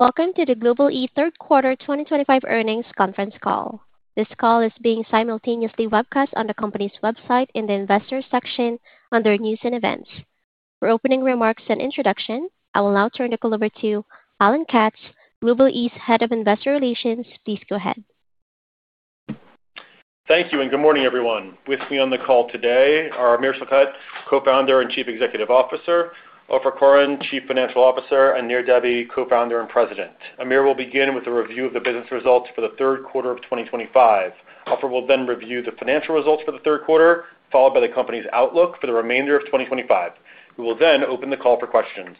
Welcome to the Global-e Third Quarter 2025 Earnings Conference Call. This call is being simultaneously webcast on the company's website in the Investor section under News and Events. For opening remarks and introduction, I will now turn the call over to Alan Katz, Global-e's Head of Investor Relations. Please go ahead. Thank you, and good morning, everyone. With me on the call today are Amir Schlachet, Co-founder and Chief Executive Officer; Ofer Koren, Chief Financial Officer; and Nir Debbi, Co-founder and President. Amir will begin with a review of the business results for the third quarter of 2025. Ofer will then review the financial results for the third quarter, followed by the company's outlook for the remainder of 2025. We will then open the call for questions.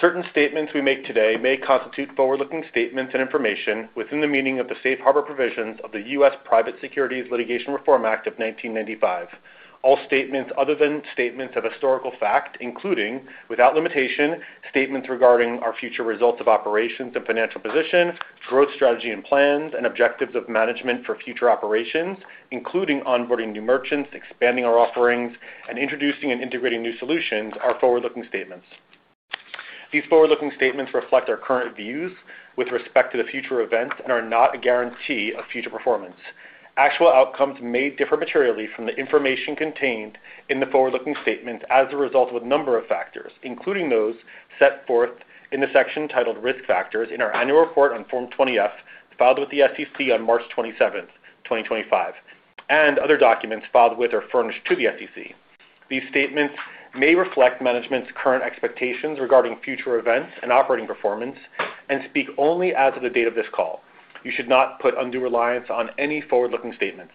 Certain statements we make today may constitute forward-looking statements and information within the meaning of the safe harbor provisions of the U.S. Private Securities Litigation Reform Act of 1995. All statements other than statements of historical fact, including, without limitation, statements regarding our future results of operations and financial position, growth strategy and plans, and objectives of management for future operations, including onboarding new merchants, expanding our offerings, and introducing and integrating new solutions, are forward-looking statements. These forward-looking statements reflect our current views with respect to the future events and are not a guarantee of future performance. Actual outcomes may differ materially from the information contained in the forward-looking statements as a result of a number of factors, including those set forth in the section titled Risk Factors in our Annual Report on Form 20F filed with the SEC on March 27, 2025, and other documents filed with or furnished to the SEC. These statements may reflect management's current expectations regarding future events and operating performance and speak only as of the date of this call. You should not put undue reliance on any forward-looking statements.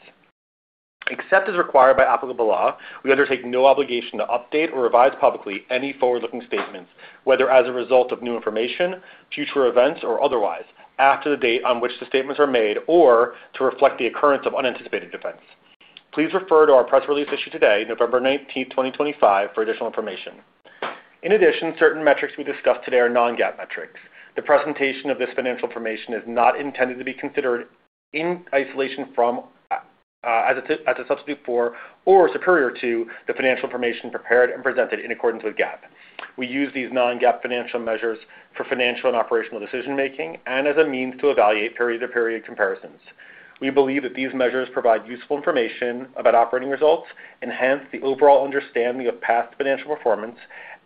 Except as required by applicable law, we undertake no obligation to update or revise publicly any forward-looking statements, whether as a result of new information, future events, or otherwise, after the date on which the statements are made or to reflect the occurrence of unanticipated events. Please refer to our press release issued today, November 19, 2025, for additional information. In addition, certain metrics we discussed today are non-GAAP metrics. The presentation of this financial information is not intended to be considered in isolation as a substitute for or superior to the financial information prepared and presented in accordance with GAAP. We use these non-GAAP financial measures for financial and operational decision-making and as a means to evaluate period-to-period comparisons. We believe that these measures provide useful information about operating results, enhance the overall understanding of past financial performance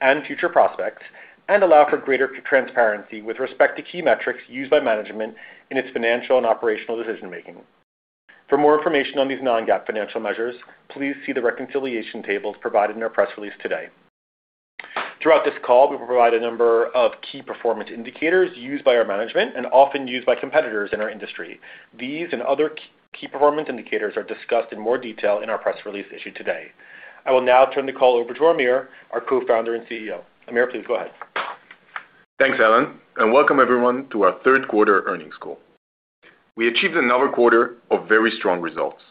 and future prospects, and allow for greater transparency with respect to key metrics used by management in its financial and operational decision-making. For more information on these non-GAAP financial measures, please see the reconciliation tables provided in our press release today. Throughout this call, we will provide a number of key performance indicators used by our management and often used by competitors in our industry. These and other key performance indicators are discussed in more detail in our press release issued today. I will now turn the call over to Amir, our Co-founder and CEO. Amir, please go ahead. Thanks, Alan, and welcome, everyone, to our Third Quarter Earnings Call. We achieved another quarter of very strong results,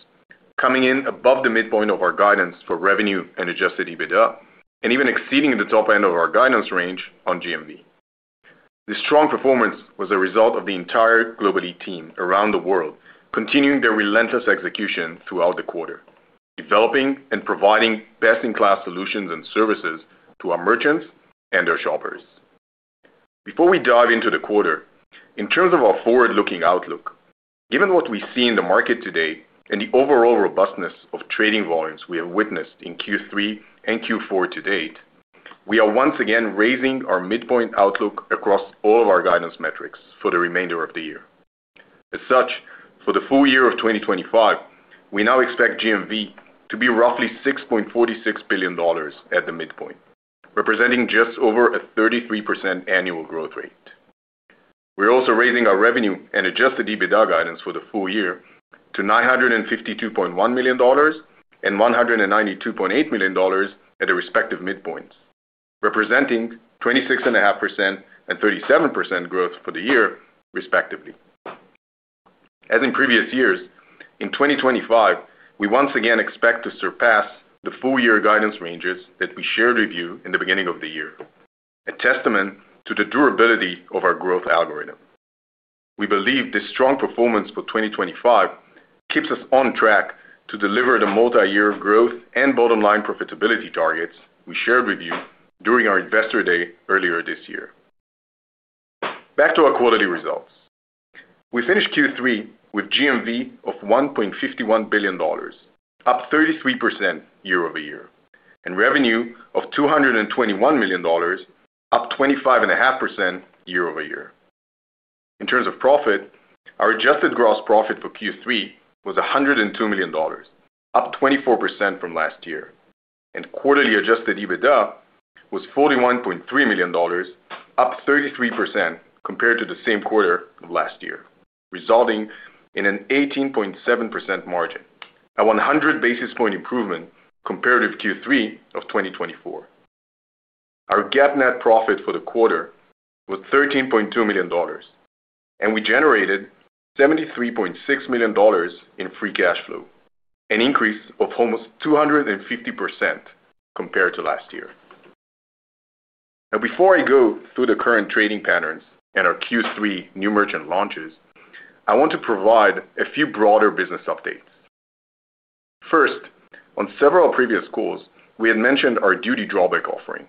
coming in above the midpoint of our guidance for revenue and adjusted EBITDA, and even exceeding the top end of our guidance range on GMV. This strong performance was a result of the entire Global-e team around the world continuing their relentless execution throughout the quarter, developing and providing best-in-class solutions and services to our merchants and our shoppers. Before we dive into the quarter, in terms of our forward-looking outlook, given what we see in the market today and the overall robustness of trading volumes we have witnessed in Q3 and Q4 to date, we are once again raising our midpoint outlook across all of our guidance metrics for the remainder of the year. As such, for the full year of 2025, we now expect GMV to be roughly $6.46 billion at the midpoint, representing just over a 33% annual growth rate. We're also raising our revenue and adjusted EBITDA guidance for the full year to $952.1 million and $192.8 million at the respective midpoints, representing 26.5% and 37% growth for the year, respectively. As in previous years, in 2025, we once again expect to surpass the full-year guidance ranges that we shared with you in the beginning of the year, a testament to the durability of our growth algorithm. We believe this strong performance for 2025 keeps us on track to deliver the multi-year growth and bottom-line profitability targets we shared with you during our Investor Day earlier this year. Back to our quarterly results. We finished Q3 with GMV of $1.51 billion, up 33% year-over-year, and revenue of $221 million, up 25.5% year-over-year. In terms of profit, our adjusted gross profit for Q3 was $102 million, up 24% from last year, and quarterly adjusted EBITDA was $41.3 million, up 33% compared to the same quarter of last year, resulting in an 18.7% margin, a 100 basis point improvement compared to Q3 of 2024. Our GAAP net profit for the quarter was $13.2 million, and we generated $73.6 million in free cash flow, an increase of almost 250% compared to last year. Now, before I go through the current trading patterns and our Q3 new merchant launches, I want to provide a few broader business updates. First, on several previous calls, we had mentioned our duty drawback offering,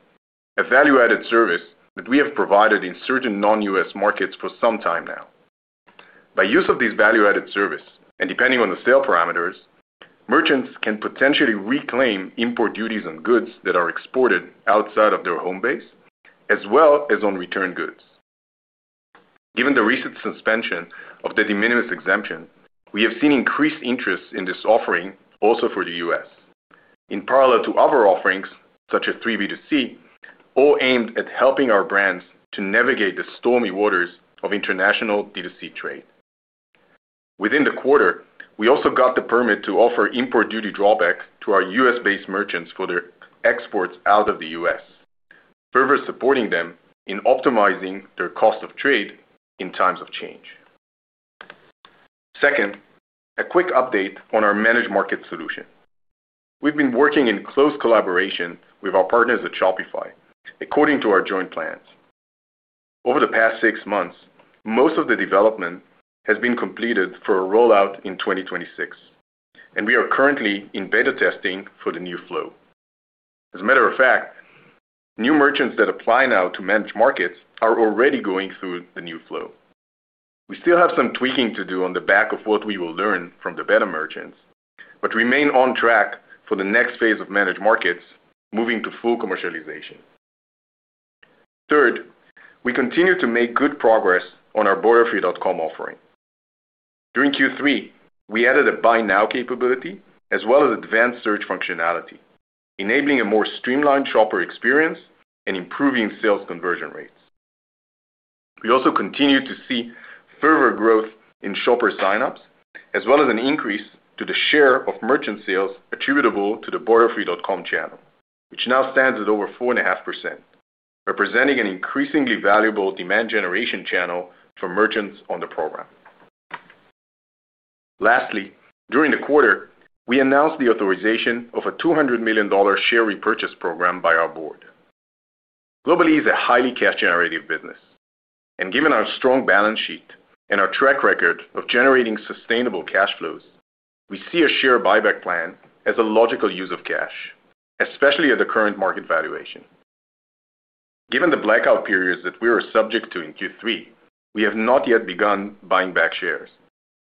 a value-added service that we have provided in certain non-U.S. markets for some time now. By use of this value-added service and depending on the sale parameters, merchants can potentially reclaim import duties on goods that are exported outside of their home base, as well as on return goods. Given the recent suspension of the de minis exemption, we have seen increased interest in this offering also for the U.S., in parallel to other offerings such as 3B2C, all aimed at helping our brands to navigate the stormy waters of international D2C trade. Within the quarter, we also got the permit to offer import duty drawback to our U.S.-based merchants for their exports out of the U.S., further supporting them in optimizing their cost of trade in times of change. Second, a quick update on our managed market solution. We've been working in close collaboration with our partners at Shopify, according to our joint plans. Over the past six months, most of the development has been completed for a rollout in 2026, and we are currently in beta testing for the new flow. As a matter of fact, new merchants that apply now to managed markets are already going through the new flow. We still have some tweaking to do on the back of what we will learn from the beta merchants, but remain on track for the next phase of managed markets, moving to full commercialization. Third, we continue to make good progress on our BorderFree.com offering. During Q3, we added a Buy Now capability as well as advanced search functionality, enabling a more streamlined shopper experience and improving sales conversion rates. We also continue to see further growth in shopper signups, as well as an increase to the share of merchant sales attributable to the BorderFree.com channel, which now stands at over 4.5%, representing an increasingly valuable demand generation channel for merchants on the program. Lastly, during the quarter, we announced the authorization of a $200 million share repurchase program by our board. Global-e is a highly cash-generative business, and given our strong balance sheet and our track record of generating sustainable cash flows, we see a share buyback plan as a logical use of cash, especially at the current market valuation. Given the blackout periods that we were subject to in Q3, we have not yet begun buying back shares,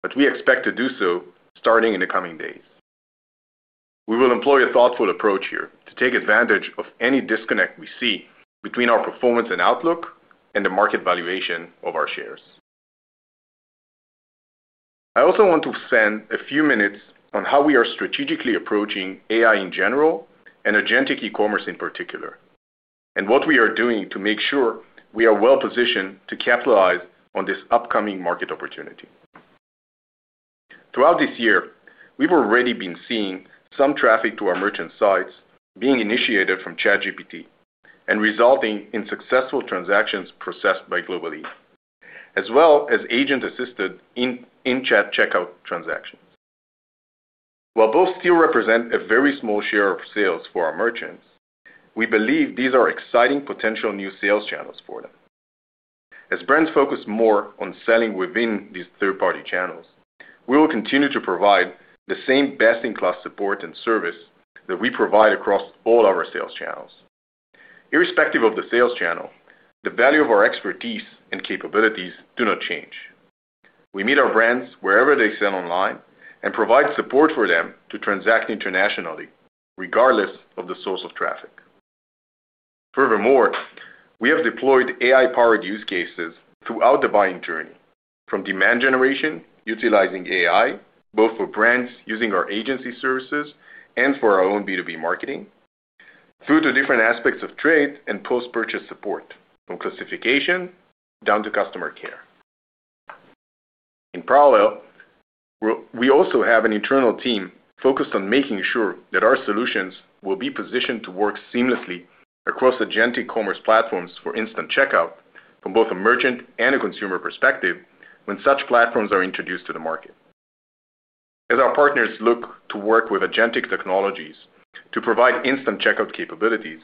but we expect to do so starting in the coming days. We will employ a thoughtful approach here to take advantage of any disconnect we see between our performance and outlook and the market valuation of our shares. I also want to spend a few minutes on how we are strategically approaching AI in general and agentic e-commerce in particular, and what we are doing to make sure we are well-positioned to capitalize on this upcoming market opportunity. Throughout this year, we've already been seeing some traffic to our merchant sites being initiated from ChatGPT and resulting in successful transactions processed by Global-e, as well as agent-assisted in-chat checkout transactions. While both still represent a very small share of sales for our merchants, we believe these are exciting potential new sales channels for them. As brands focus more on selling within these third-party channels, we will continue to provide the same best-in-class support and service that we provide across all our sales channels. Irrespective of the sales channel, the value of our expertise and capabilities do not change. We meet our brands wherever they sell online and provide support for them to transact internationally, regardless of the source of traffic. Furthermore, we have deployed AI-powered use cases throughout the buying journey, from demand generation utilizing AI, both for brands using our agency services and for our own B2B marketing, through to different aspects of trade and post-purchase support, from classification down to customer care. In parallel, we also have an internal team focused on making sure that our solutions will be positioned to work seamlessly across agentic commerce platforms for instant checkout from both a merchant and a consumer perspective when such platforms are introduced to the market. As our partners look to work with agentic technologies to provide instant checkout capabilities,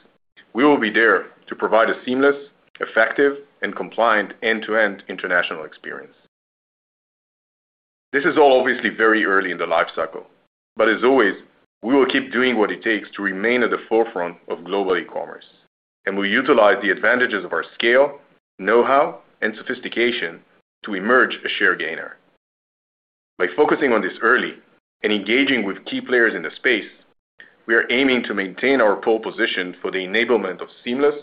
we will be there to provide a seamless, effective, and compliant end-to-end international experience. This is all obviously very early in the life cycle, but as always, we will keep doing what it takes to remain at the forefront of global e-commerce, and we utilize the advantages of our scale, know-how, and sophistication to emerge a share gainer. By focusing on this early and engaging with key players in the space, we are aiming to maintain our pole position for the enablement of seamless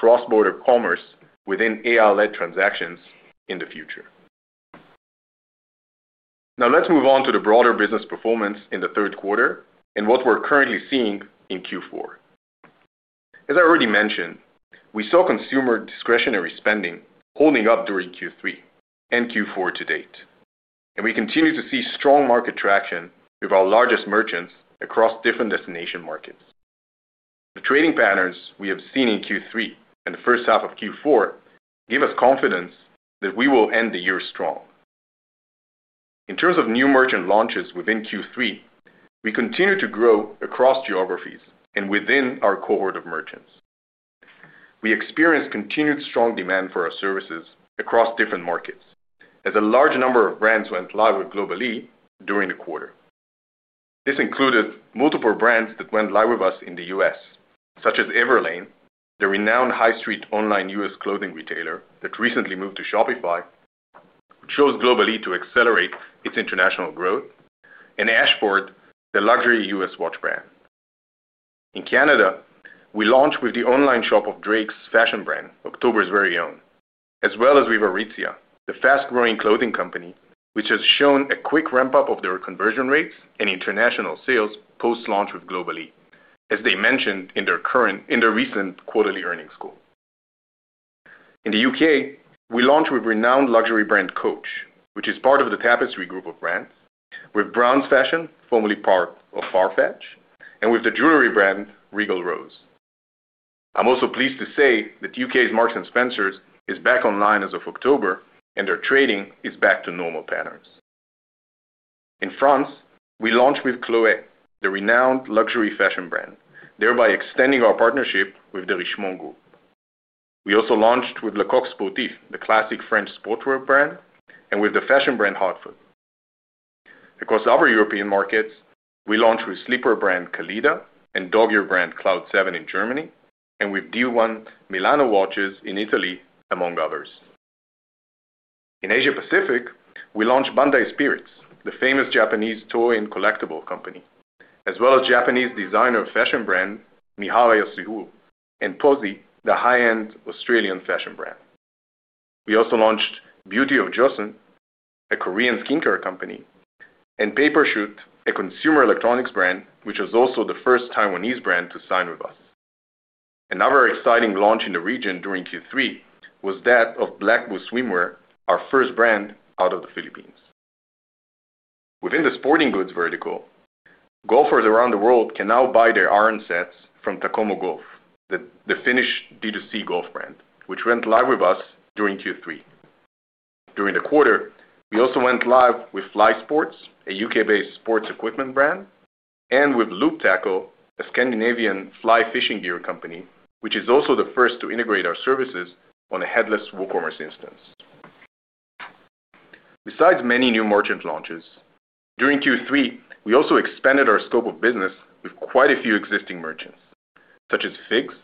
cross-border commerce within AI-led transactions in the future. Now, let's move on to the broader business performance in the third quarter and what we're currently seeing in Q4. As I already mentioned, we saw consumer discretionary spending holding up during Q3 and Q4 to date, and we continue to see strong market traction with our largest merchants across different destination markets. The trading patterns we have seen in Q3 and the first half of Q4 give us confidence that we will end the year strong. In terms of new merchant launches within Q3, we continue to grow across geographies and within our cohort of merchants. We experienced continued strong demand for our services across different markets as a large number of brands went live with Global-e during the quarter. This included multiple brands that went live with us in the U.S., such as Everlane, the renowned high-street online U.S. clothing retailer that recently moved to Shopify, which chose Global-e to accelerate its international growth, and Ashford, the luxury U.S. watch brand. In Canada, we launched with the online shop of Drake's fashion brand, October's Very Own, as well as with Aritzia, the fast-growing clothing company, which has shown a quick ramp-up of their conversion rates and international sales post-launch with Global-e, as they mentioned in their recent quarterly earnings call. In the U.K., we launched with renowned luxury brand Coach, which is part of the Tapestry group of brands, with Bronze Fashion, formerly part of Farfetch, and with the jewelry brand Regal Rose. I'm also pleased to say that the U.K.'s Marks and Spencer is back online as of October, and their trading is back to normal patterns. In France, we launched with Chloé, the renowned luxury fashion brand, thereby extending our partnership with the Richemont Group. We also launched with Le Coq Sportif, the classic French sportswear brand, and with the fashion brand Hotfoot. Across other European markets, we launched with sleeper brand Kalida and dog-gear brand Cloud 7 in Germany, and with D1 Milano Watches in Italy, among others. In Asia-Pacific, we launched Bandai Spirits, the famous Japanese toy and collectible company, as well as Japanese designer fashion brand Mihara Yasuhiro and POSEE, the high-end Australian fashion brand. We also launched Beauty of Joseon, a Korean skincare company, and Paper Shoot, a consumer electronics brand, which was also the first Taiwanese brand to sign with us. Another exciting launch in the region during Q3 was that of Black Boots Swimwear, our first brand out of the Philippines. Within the sporting goods vertical, golfer around the world can now buy their iron sets from Takomo Golf, the Finnish D2C golf brand, which went live with us during Q3. During the quarter, we also went live with Fly Sports, a U.K.-based sports equipment brand, and with Loop Tackle, a Scandinavian fly fishing gear company, which is also the first to integrate our services on a headless WooCommerce instance. Besides many new merchant launches, during Q3, we also expanded our scope of business with quite a few existing merchants, such as Figs,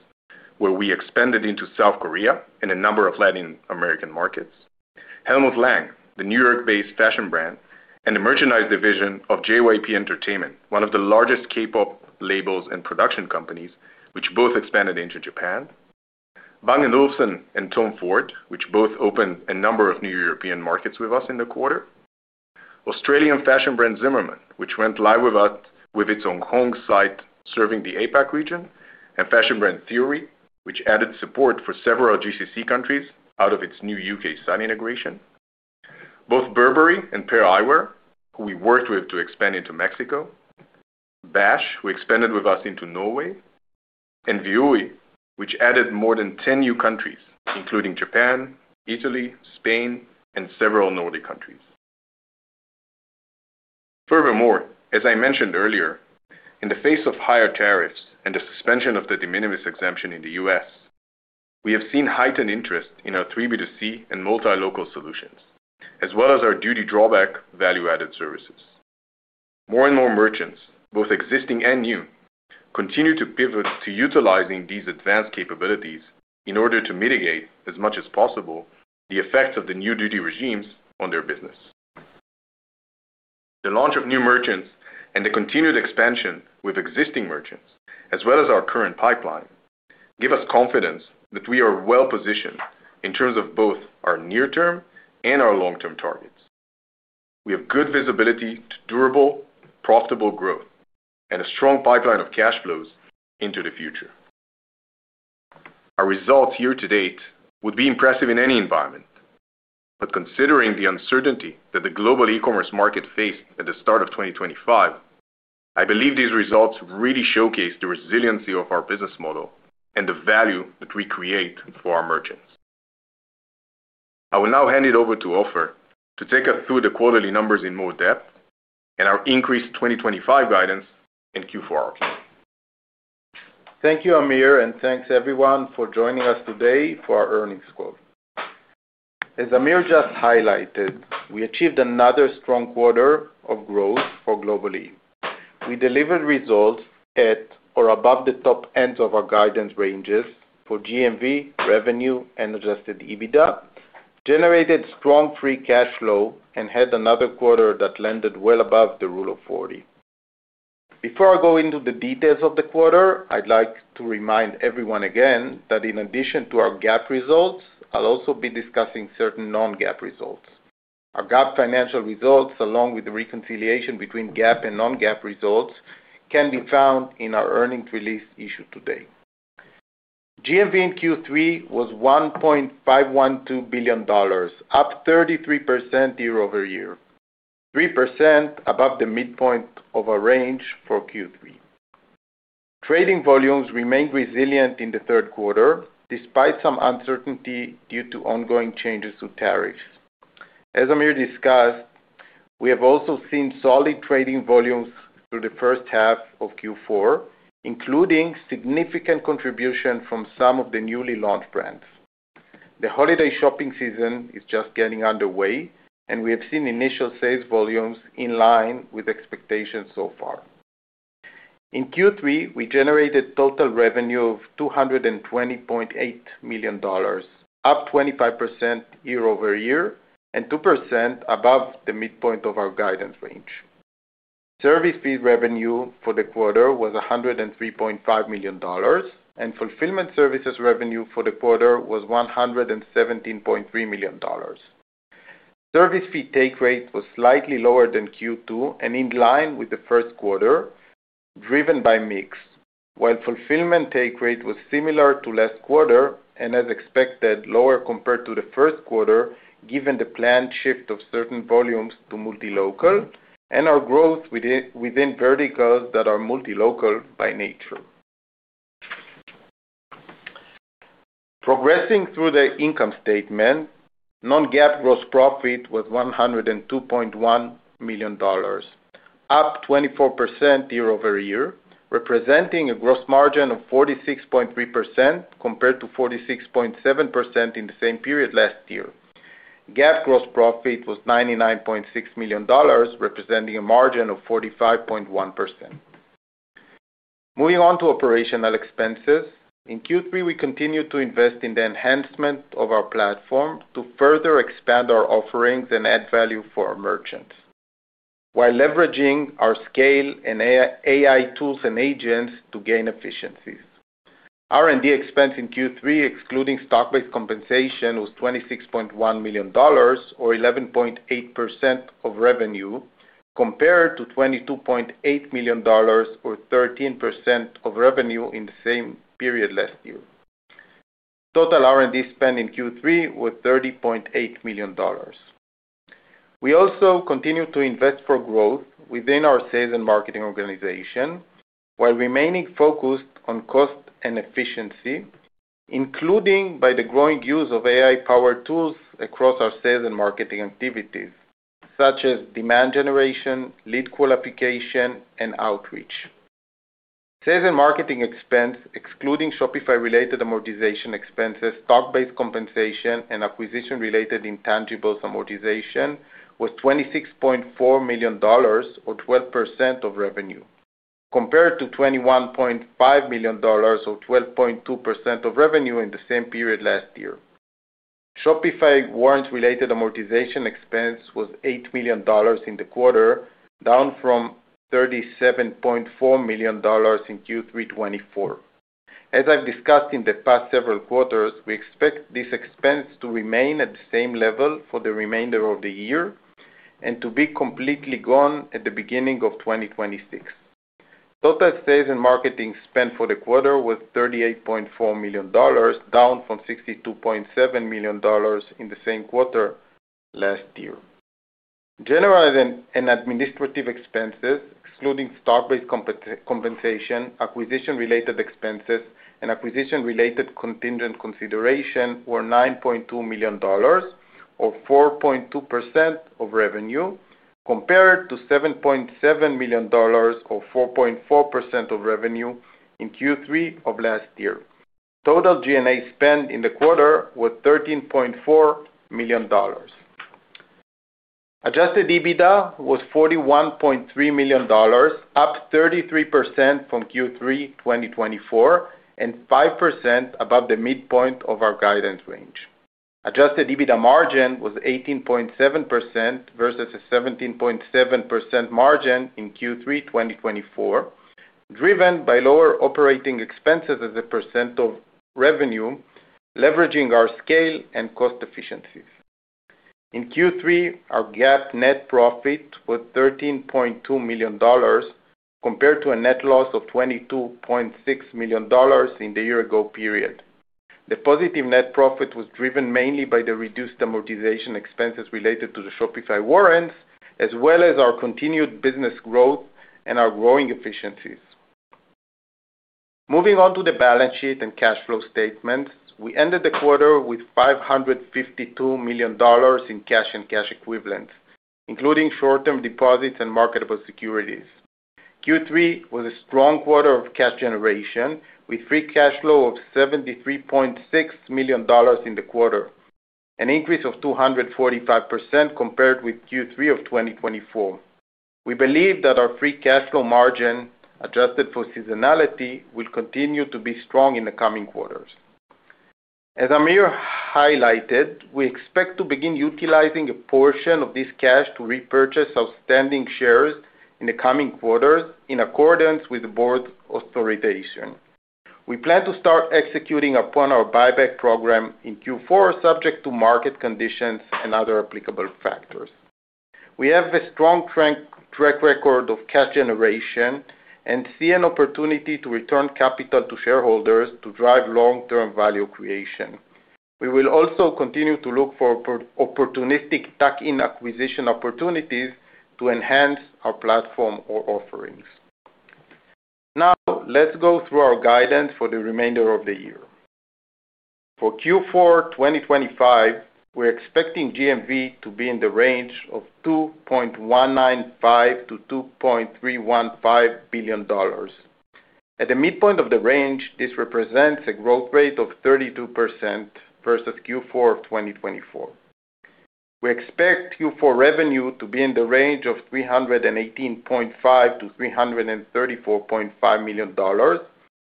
where we expanded into South Korea and a number of Latin American markets, Helmut Lang, the New York-based fashion brand, and the merchandise division of JYP Entertainment, one of the largest K-pop labels and production companies, which both expanded into Japan, Bang & Olufsen and Tom Ford, which both opened a number of new European markets with us in the quarter, Australian fashion brand Zimmerman, which went live with us with its Hong Kong site serving the APAC region, and fashion brand Theory, which added support for several GCC countries out of its new U.K. Site integration, both Burberry and Pair Eyewear, who we worked with to expand into Mexico, Bash, who expanded with us into Norway, and Vui, which added more than 10 new countries, including Japan, Italy, Spain, and several Nordic countries. Furthermore, as I mentioned earlier, in the face of higher tariffs and the suspension of the de minimis exemption in the U.S., we have seen heightened interest in our 3B2C and multi-local solutions, as well as our duty drawback value-added services. More and more merchants, both existing and new, continue to pivot to utilizing these advanced capabilities in order to mitigate, as much as possible, the effects of the new duty regimes on their business. The launch of new merchants and the continued expansion with existing merchants, as well as our current pipeline, give us confidence that we are well-positioned in terms of both our near-term and our long-term targets. We have good visibility to durable, profitable growth and a strong pipeline of cash flows into the future. Our results year to date would be impressive in any environment, but considering the uncertainty that the global e-commerce market faced at the start of 2025, I believe these results really showcase the resiliency of our business model and the value that we create for our merchants. I will now hand it over to Ofer to take us through the quarterly numbers in more depth and our increased 2025 guidance in Q4. Thank you, Amir, and thanks everyone for joining us today for our earnings call. As Amir just highlighted, we achieved another strong quarter of growth for Global-e. We delivered results at or above the top ends of our guidance ranges for GMV, revenue, and adjusted EBITDA, generated strong free cash flow, and had another quarter that landed well above the rule of 40. Before I go into the details of the quarter, I'd like to remind everyone again that in addition to our GAAP results, I'll also be discussing certain non-GAAP results. Our GAAP financial results, along with the reconciliation between GAAP and non-GAAP results, can be found in our earnings release issued today. GMV in Q3 was $1.512 billion, up 33% year over year, 3% above the midpoint of our range for Q3. Trading volumes remained resilient in the third quarter despite some uncertainty due to ongoing changes to tariffs. As Amir discussed, we have also seen solid trading volumes through the first half of Q4, including significant contribution from some of the newly launched brands. The holiday shopping season is just getting underway, and we have seen initial sales volumes in line with expectations so far. In Q3, we generated total revenue of $220.8 million, up 25% year over year and 2% above the midpoint of our guidance range. Service fee revenue for the quarter was $103.5 million, and fulfillment services revenue for the quarter was $117.3 million. Service fee take rate was slightly lower than Q2 and in line with the first quarter, driven by mix, while fulfillment take rate was similar to last quarter and, as expected, lower compared to the first quarter given the planned shift of certain volumes to multi-local and our growth within verticals that are multi-local by nature. Progressing through the income statement, non-GAAP gross profit was $102.1 million, up 24% year over year, representing a gross margin of 46.3% compared to 46.7% in the same period last year. GAAP gross profit was $99.6 million, representing a margin of 45.1%. Moving on to operational expenses, in Q3, we continued to invest in the enhancement of our platform to further expand our offerings and add value for our merchants, while leveraging our scale and AI tools and agents to gain efficiencies. R&D expense in Q3, excluding stock-based compensation, was $26.1 million or 11.8% of revenue, compared to $22.8 million or 13% of revenue in the same period last year. Total R&D spend in Q3 was $30.8 million. We also continued to invest for growth within our sales and marketing organization, while remaining focused on cost and efficiency, including by the growing use of AI-powered tools across our sales and marketing activities, such as demand generation, lead qualification, and outreach. Sales and marketing expense, excluding Shopify-related amortization expenses, stock-based compensation, and acquisition-related intangibles amortization, was $26.4 million or 12% of revenue, compared to $21.5 million or 12.2% of revenue in the same period last year. Shopify warrants-related amortization expense was $8 million in the quarter, down from $37.4 million in Q3 2024. As I've discussed in the past several quarters, we expect this expense to remain at the same level for the remainder of the year and to be completely gone at the beginning of 2026. Total sales and marketing spend for the quarter was $38.4 million, down from $62.7 million in the same quarter last year. General and administrative expenses, excluding stock-based compensation, acquisition-related expenses, and acquisition-related contingent consideration, were $9.2 million or 4.2% of revenue, compared to $7.7 million or 4.4% of revenue in Q3 of last year. Total G&A spend in the quarter was $13.4 million. Adjusted EBITDA was $41.3 million, up 33% from Q3 2024 and 5% above the midpoint of our guidance range. Adjusted EBITDA margin was 18.7% versus a 17.7% margin in Q3 2024, driven by lower operating expenses as a percent of revenue, leveraging our scale and cost efficiencies. In Q3, our GAAP net profit was $13.2 million compared to a net loss of $22.6 million in the year-ago period. The positive net profit was driven mainly by the reduced amortization expenses related to the Shopify warrants, as well as our continued business growth and our growing efficiencies. Moving on to the balance sheet and cash flow statements, we ended the quarter with $552 million in cash and cash equivalents, including short-term deposits and marketable securities. Q3 was a strong quarter of cash generation with free cash flow of $73.6 million in the quarter, an increase of 245% compared with Q3 of 2024. We believe that our free cash flow margin, adjusted for seasonality, will continue to be strong in the coming quarters. As Amir highlighted, we expect to begin utilizing a portion of this cash to repurchase outstanding shares in the coming quarters in accordance with the board's authorization. We plan to start executing upon our buyback program in Q4, subject to market conditions and other applicable factors. We have a strong track record of cash generation and see an opportunity to return capital to shareholders to drive long-term value creation. We will also continue to look for opportunistic tuck-in acquisition opportunities to enhance our platform or offerings. Now, let's go through our guidance for the remainder of the year. For Q4 2025, we're expecting GMV to be in the range of $2.195 billion-$2.315 billion. At the midpoint of the range, this represents a growth rate of 32% versus Q4 of 2024. We expect Q4 revenue to be in the range of $318.5 million-$334.5 million,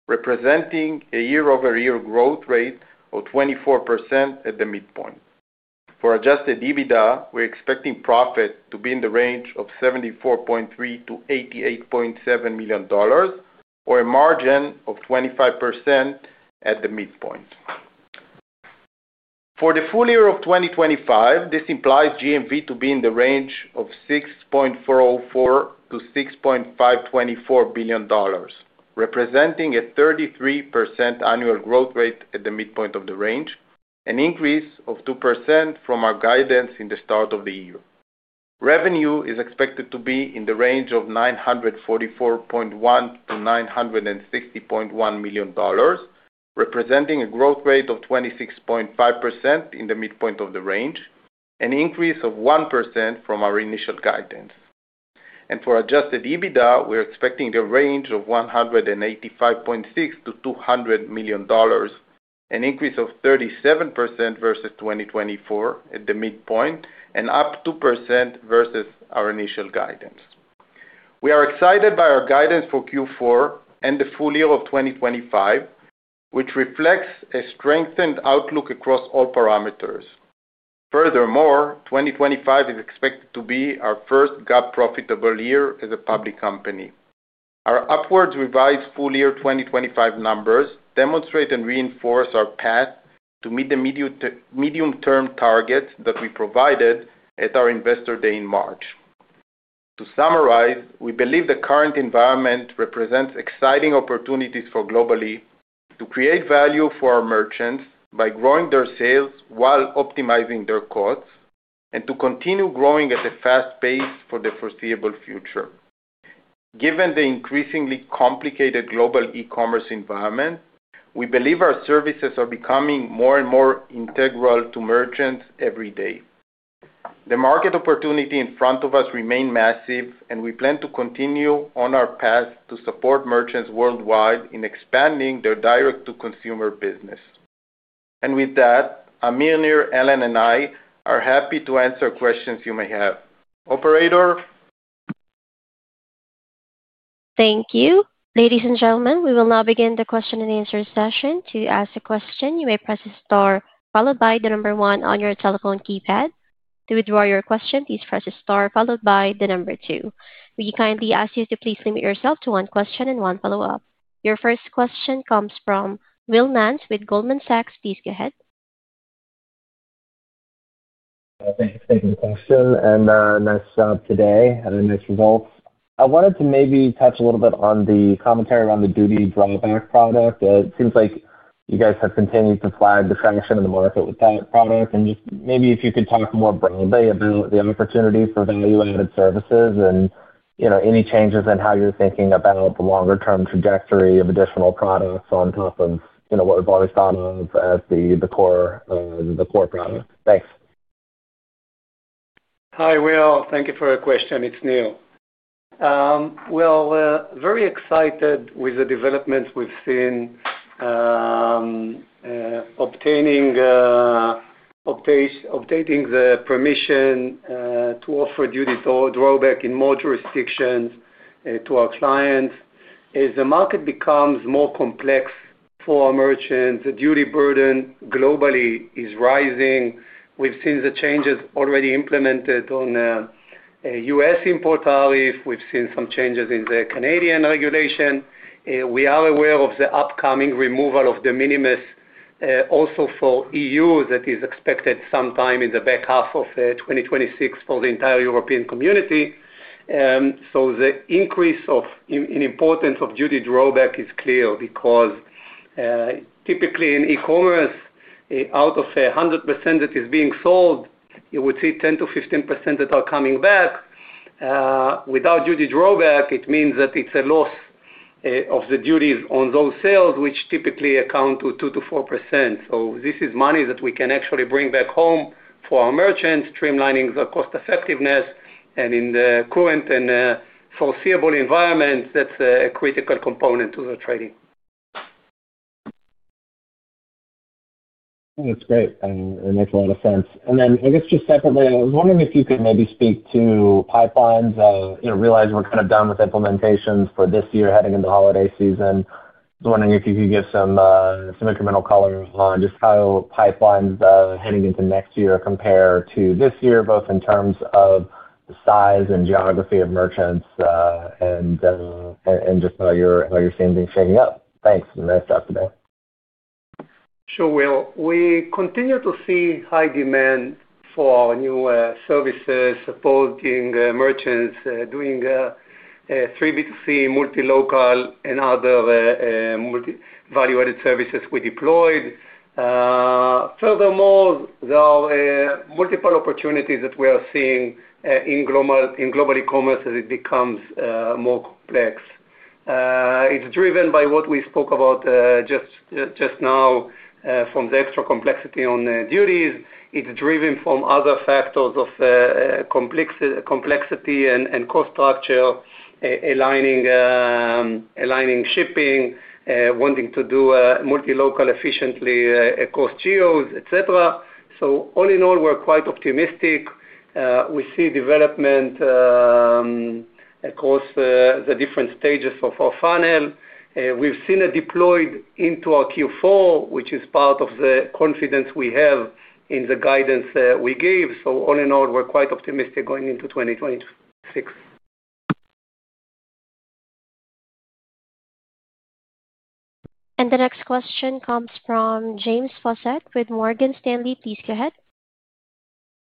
representing a year-over-year growth rate of 24% at the midpoint. For adjusted EBITDA, we're expecting profit to be in the range of $74.3 million-$88.7 million or a margin of 25% at the midpoint. For the full year of 2025, this implies GMV to be in the range of $6.404 billion-$6.524 billion, representing a 33% annual growth rate at the midpoint of the range, an increase of 2% from our guidance in the start of the year. Revenue is expected to be in the range of $944.1-$960.1 million, representing a growth rate of 26.5% at the midpoint of the range, an increase of 1% from our initial guidance. For adjusted EBITDA, we're expecting a range of $185.6-$200 million, an increase of 37% versus 2024 at the midpoint and up 2% versus our initial guidance. We are excited by our guidance for Q4 and the full year of 2025, which reflects a strengthened outlook across all parameters. Furthermore, 2025 is expected to be our first GAAP profitable year as a public company. Our upwards revised full year 2025 numbers demonstrate and reinforce our path to meet the medium-term targets that we provided at our investor day in March. To summarize, we believe the current environment represents exciting opportunities for Global-e to create value for our merchants by growing their sales while optimizing their costs and to continue growing at a fast pace for the foreseeable future. Given the increasingly complicated global e-commerce environment, we believe our services are becoming more and more integral to merchants every day. The market opportunity in front of us remains massive, and we plan to continue on our path to support merchants worldwide in expanding their direct-to-consumer business. With that, Amir, Alan, and I are happy to answer questions you may have. Operator. Thank you. Ladies and gentlemen, we will now begin the question and answer session. To ask a question, you may press the star followed by the number one on your telephone keypad. To withdraw your question, please press the star followed by the number two. We kindly ask you to please limit yourself to one question and one follow-up. Your first question comes from Will Nance with Goldman Sachs. Please go ahead. Thank you for taking the question and nice job today and nice results. I wanted to maybe touch a little bit on the commentary around the duty drawback product. It seems like you guys have continued to flag the traction in the market with that product. Just maybe if you could talk more broadly about the opportunity for value-added services and any changes in how you're thinking about the longer-term trajectory of additional products on top of what we've always thought of as the core product. Thanks. Hi, Will. Thank you for your question. It's Nir. Very excited with the developments we've seen, updating the permission to offer duty drawback in more jurisdictions to our clients. As the market becomes more complex for our merchants, the duty burden globally is rising. We've seen the changes already implemented on U.S. import tariffs. We've seen some changes in the Canadian regulation. We are aware of the upcoming removal of the de minimis exemption also for the EU that is expected sometime in the back half of 2026 for the entire European community. The increase in importance of duty drawback is clear because typically in e-commerce, out of 100% that is being sold, you would see 10-15% that are coming back. Without duty drawback, it means that it's a loss of the duties on those sales, which typically account for 2-4%. This is money that we can actually bring back home for our merchants, streamlining the cost effectiveness. In the current and foreseeable environment, that's a critical component to the trading.. That's great. That makes a lot of sense. I guess just separately, I was wondering if you could maybe speak to pipelines. I realize we're kind of done with implementations for this year heading into holiday season. I was wondering if you could give some incremental color on just how pipelines heading into next year compare to this year, both in terms of the size and geography of merchants and just how you're seeing things shaking up. Thanks. Nice job today. Sure, Will. We continue to see high demand for our new services supporting merchants doing 3B2C, multi-local, and other value-added services we deployed. Furthermore, there are multiple opportunities that we are seeing in global e-commerce as it becomes more complex. It is driven by what we spoke about just now from the extra complexity on duties. It's driven from other factors of complexity and cost structure, aligning shipping, wanting to do multi-local efficiently across geos, etc. All in all, we're quite optimistic. We see development across the different stages of our funnel. We've seen it deployed into our Q4, which is part of the confidence we have in the guidance we gave. All in all, we're quite optimistic going into 2026. The next question comes from James Fossett with Morgan Stanley. Please go ahead.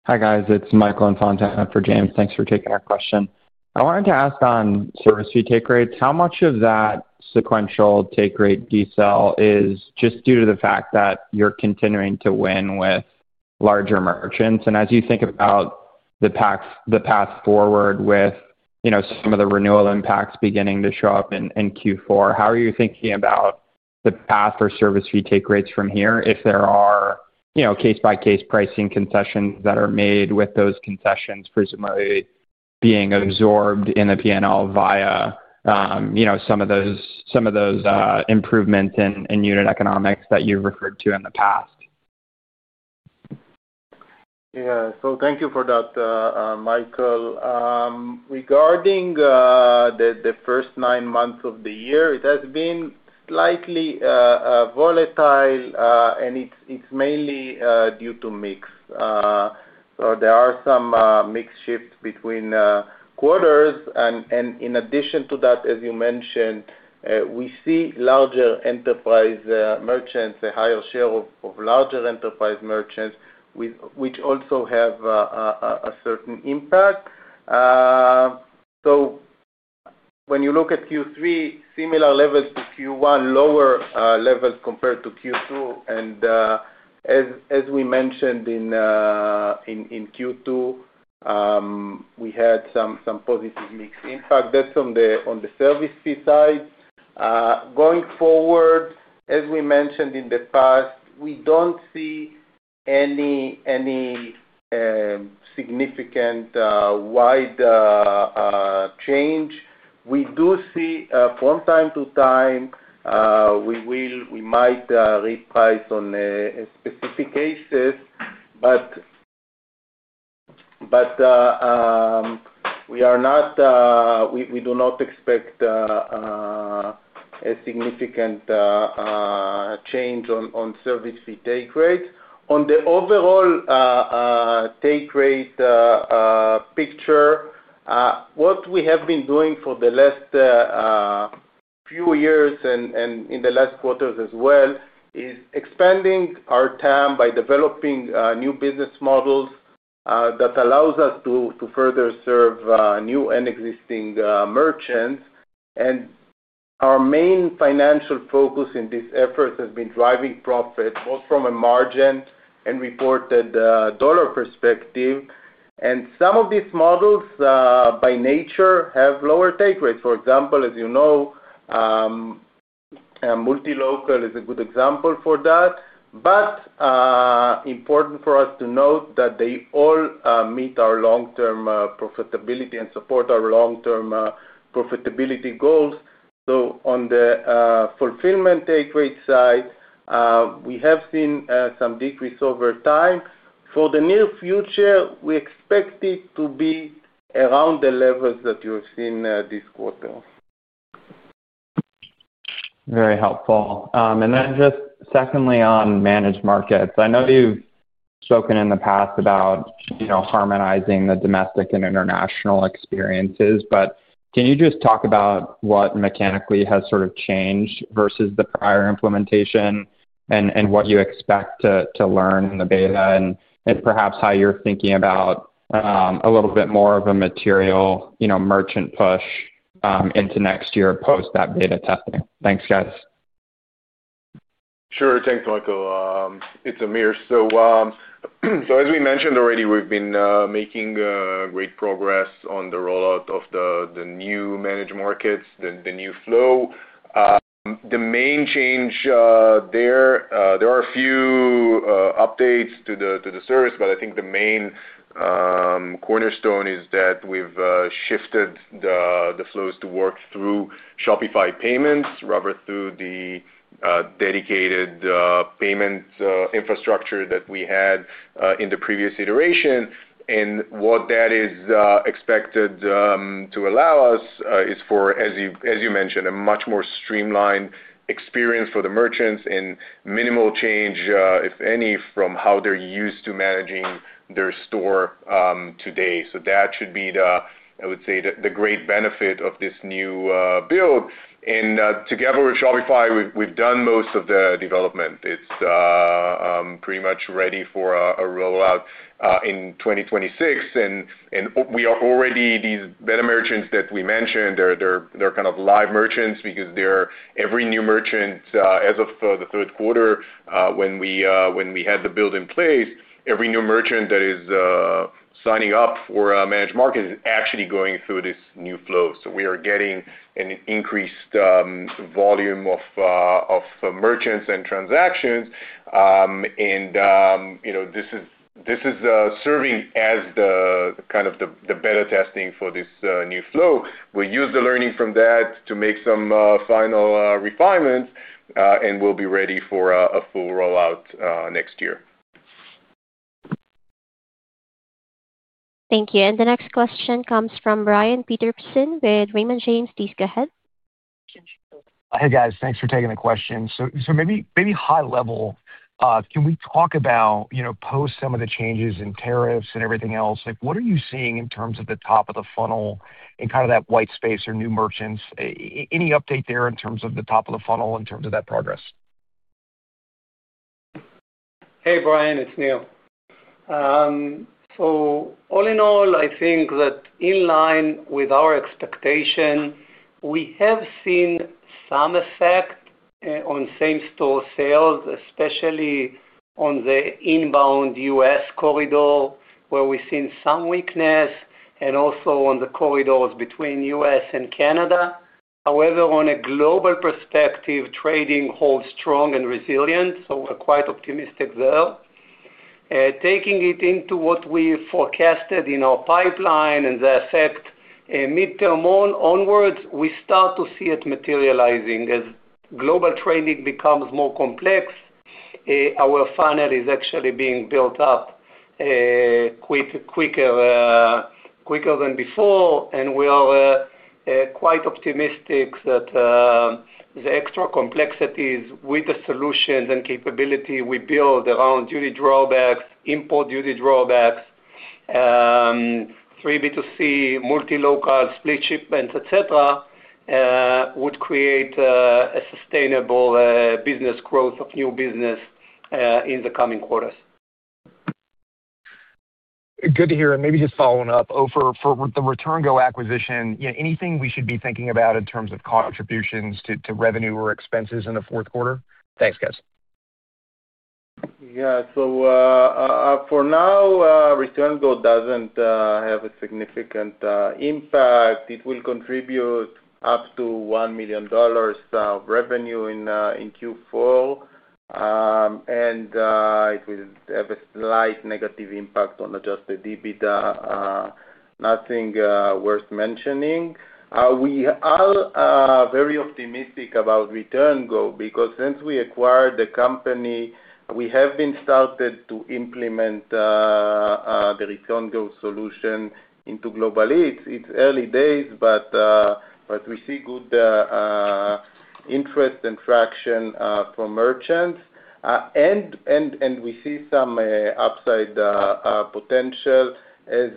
Hi guys. It's Michael in Fontana for James. Thanks for taking our question. I wanted to ask on service fee take rates. How much of that sequential take rate decel is just due to the fact that you're continuing to win with larger merchants? As you think about the path forward with some of the renewal impacts beginning to show up in Q4, how are you thinking about the path for service fee take rates from here if there are case-by-case pricing concessions that are made with those concessions presumably being absorbed in the P&L via some of those improvements in unit economics that you've referred to in the past? Yeah. Thank you for that, Michael. Regarding the first nine months of the year, it has been slightly volatile, and it's mainly due to mix. There are some mix shifts between quarters. In addition to that, as you mentioned, we see larger enterprise merchants, a higher share of larger enterprise merchants, which also have a certain impact. When you look at Q3, similar levels to Q1, lower levels compared to Q2. As we mentioned in Q2, we had some positive mixed impact. That is on the service fee side. Going forward, as we mentioned in the past, we do not see any significant wide change. We do see from time to time, we might reprice on specific cases, but we do not expect a significant change on service fee take rates. On the overall take rate picture, what we have been doing for the last few years and in the last quarters as well is expanding our TAM by developing new business models that allow us to further serve new and existing merchants. Our main financial focus in this effort has been driving profit both from a margin and reported dollar perspective. Some of these models by nature have lower take rates. For example, as you know, multi-local is a good example for that. Important for us to note that they all meet our long-term profitability and support our long-term profitability goals. On the fulfillment take rate side, we have seen some decrease over time. For the near future, we expect it to be around the levels that you've seen this quarter. Very helpful. Just secondly on managed markets. I know you've spoken in the past about harmonizing the domestic and international experiences, but can you just talk about what mechanically has sort of changed versus the prior implementation and what you expect to learn in the beta and perhaps how you're thinking about a little bit more of a material merchant push into next year post that beta testing? Thanks, guys. Sure. Thanks, Michael. It's Amir. As we mentioned already, we've been making great progress on the rollout of the new managed markets, the new flow. The main change there, there are a few updates to the service, but I think the main cornerstone is that we've shifted the flows to work through Shopify payments, rather than through the dedicated payment infrastructure that we had in the previous iteration. What that is expected to allow us is, as you mentioned, a much more streamlined experience for the merchants and minimal change, if any, from how they're used to managing their store today. That should be, I would say, the great benefit of this new build. Together with Shopify, we've done most of the development. It's pretty much ready for a rollout in 2024. We are already these beta merchants that we mentioned, they're kind of live merchants because every new merchant as of the third quarter, when we had the build in place, every new merchant that is signing up for a managed market is actually going through this new flow. We are getting an increased volume of merchants and transactions. This is serving as kind of the beta testing for this new flow. We use the learning from that to make some final refinements, and we'll be ready for a full rollout next year. Thank you. The next question comes from Brian Peterson with Raymond James. Please go ahead. Hey, guys. Thanks for taking the question. Maybe high level, can we talk about post some of the changes in tariffs and everything else? What are you seeing in terms of the top of the funnel and kind of that white space or new merchants? Any update there in terms of the top of the funnel in terms of that progress? Hey, Brian. It's Nir. All in all, I think that in line with our expectation, we have seen some effect on same-store sales, especially on the inbound U.S. corridor where we've seen some weakness and also on the corridors between U.S. and Canada. However, on a global perspective, trading holds strong and resilient, so we're quite optimistic there. Taking it into what we forecasted in our pipeline and the effect mid-term onwards, we start to see it materializing. As global trading becomes more complex, our funnel is actually being built up quicker than before. We are quite optimistic that the extra complexities with the solutions and capability we build around duty drawbacks, import duty drawbacks, 3B2C, multi-local split shipments, etc., would create a sustainable business growth of new business in the coming quarters. Good to hear. Maybe just following up, for the ReturnGo acquisition, anything we should be thinking about in terms of contributions to revenue or expenses in the fourth quarter? Thanks, guys. Yeah. For now, ReturnGo doesn't have a significant impact. It will contribute up to $1 million of revenue in Q4. It will have a slight negative impact on adjusted EBITDA. Nothing worth mentioning. We are very optimistic about ReturnGo because since we acquired the company, we have been started to implement the ReturnGo solution into Global-e. It's early days, but we see good interest and traction from merchants. We see some upside potential as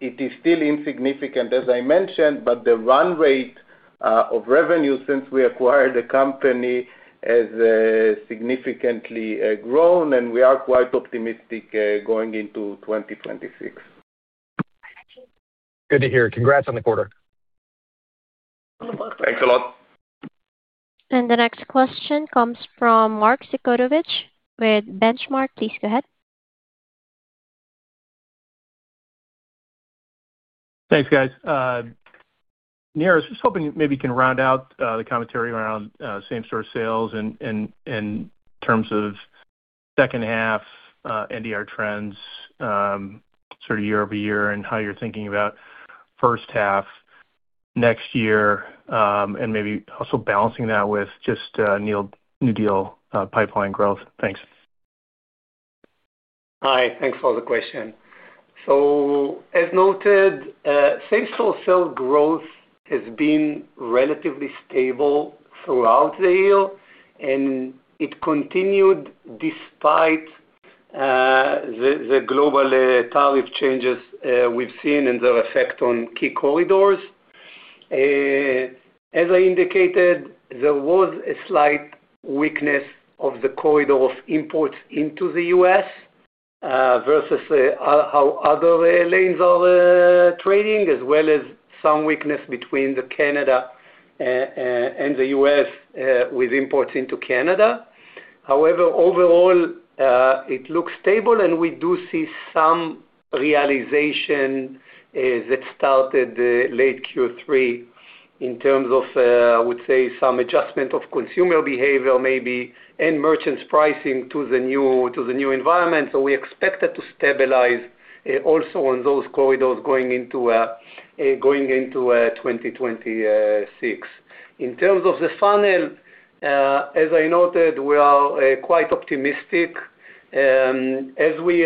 it is still insignificant, as I mentioned, but the run rate of revenue since we acquired the company has significantly grown, and we are quite optimistic going into 2026. Good to hear. Congrats on the quarter. Thanks a lot. The next question comes from Mark Sokotovic with Benchmark. Please go ahead. Thanks, guys. Nir, I was just hoping maybe you can round out the commentary around same-store sales in terms of second half NDR trends year over year and how you're thinking about first half next year and maybe also balancing that with just new deal pipeline growth. Thanks. Hi. Thanks for the question. As noted, same-store sales growth has been relatively stable throughout the year, and it continued despite the global tariff changes we've seen and their effect on key corridors. As I indicated, there was a slight weakness of the corridor of imports into the U.S. versus how other lanes are trading, as well as some weakness between Canada and the U.S. with imports into Canada. However, overall, it looks stable, and we do see some realization that started late Q3 in terms of, I would say, some adjustment of consumer behavior maybe and merchants' pricing to the new environment. We expect that to stabilize also on those corridors going into 2026. In terms of the funnel, as I noted, we are quite optimistic. As we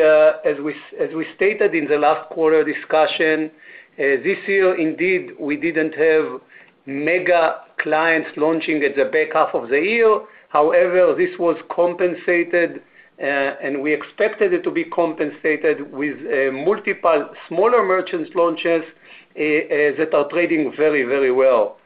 stated in the last quarter discussion, this year, indeed, we did not have mega clients launching at the back half of the year. However, this was compensated, and we expected it to be compensated with multiple smaller merchants' launches that are trading very, very well.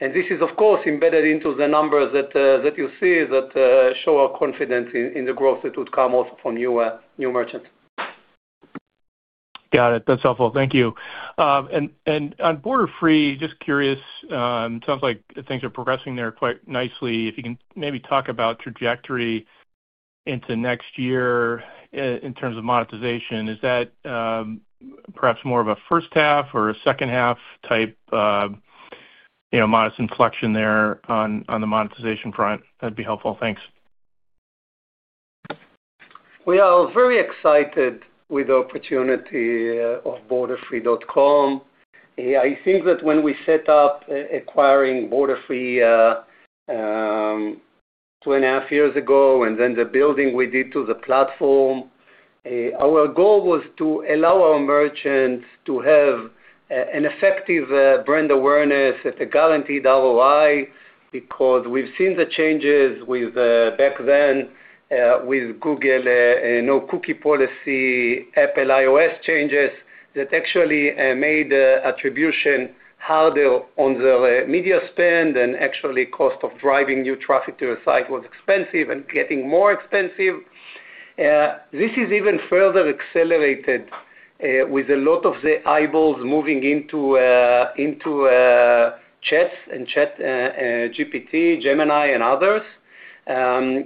This is, of course, embedded into the numbers that you see that show our confidence in the growth that would come also from new merchants. Got it. That's helpful. Thank you. On BorderFree.com, just curious, it sounds like things are progressing there quite nicely. If you can maybe talk about trajectory into next year in terms of monetization, is that perhaps more of a first half or a second half type modest inflection there on the monetization front? That'd be helpful. Thanks. We are very excited with the opportunity of BorderFree.com. I think that when we set up acquiring BorderFree two and a half years ago and then the building we did to the platform, our goal was to allow our merchants to have an effective brand awareness at a guaranteed ROI because we've seen the changes back then with Google No Cookie Policy, Apple iOS changes that actually made attribution harder on the media spend and actually cost of driving new traffic to your site was expensive and getting more expensive. This is even further accelerated with a lot of the eyeballs moving into chats and ChatGPT, Gemini, and others,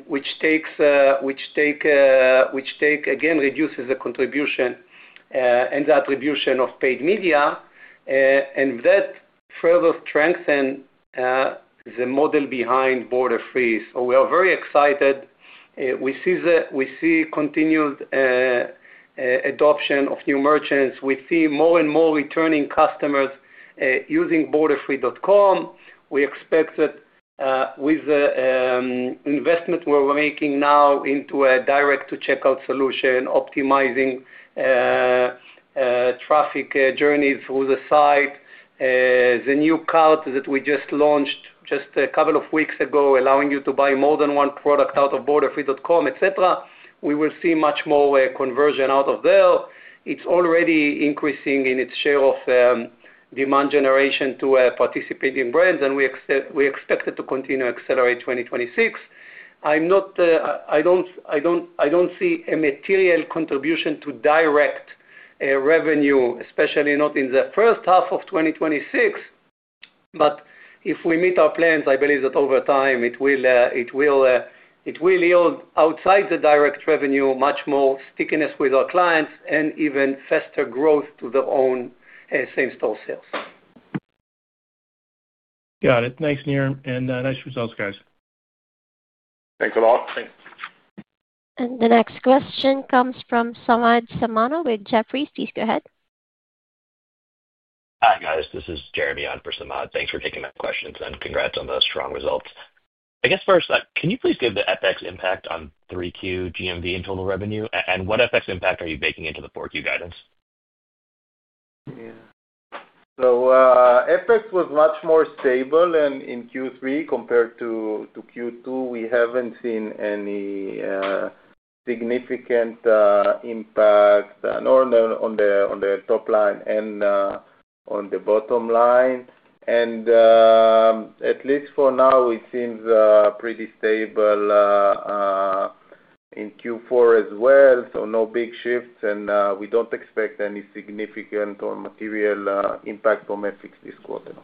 which take, again, reduces the contribution and the attribution of paid media. That further strengthened the model behind BorderFree. We are very excited. We see continued adoption of new merchants. We see more and more returning customers using BorderFree.com. We expect that with the investment we're making now into a direct-to-checkout solution, optimizing traffic journeys through the site, the new cart that we just launched just a couple of weeks ago allowing you to buy more than one product out of BorderFree.com, etc., we will see much more conversion out of there. It's already increasing in its share of demand generation to participating brands, and we expect it to continue to accelerate 2026. I don't see a material contribution to direct revenue, especially not in the first half of 2026. If we meet our plans, I believe that over time it will yield outside the direct revenue much more stickiness with our clients and even faster growth to their own same-store sales. Got it. Thanks, Nir. And nice results, guys. Thanks a lot. Thanks. The next question comes from Samad Samana with Jefferies. Please go ahead. Hi, guys. This is Jeremy on for Samad. Thanks for taking my questions and congrats on the strong results. I guess first, can you please give the EPEX impact on 3Q GMV and total revenue? What EPEX impact are you baking into the 4Q guidance? Yeah. EPEX was much more stable in Q3 compared to Q2. We haven't seen any significant impact on the top line and on the bottom line. At least for now, it seems pretty stable in Q4 as well. No big shifts, and we don't expect any significant or material impact from EPEX this quarter.